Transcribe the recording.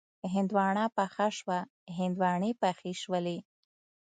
هندواڼه پخه شوه، هندواڼې پخې شولې